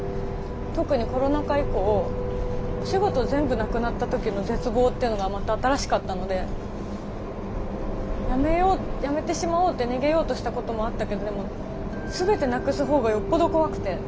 特にコロナ禍以降お仕事全部なくなった時の絶望っていうのがまた新しかったのでやめようやめてしまおうって逃げようとしたこともあったけどでも全てなくす方がよっぽど怖くて。